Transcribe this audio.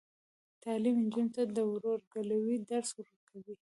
تعلیم نجونو ته د ورورګلوۍ درس ورکوي.